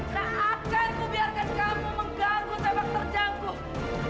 tak akan kubiarkan kamu mengganggu teman terjangkuh